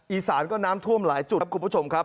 อีสานก็น้ำท่วมหลายจุดครับคุณผู้ชมครับ